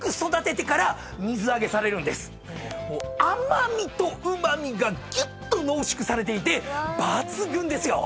甘味とうま味がぎゅっと濃縮されていて抜群ですよ。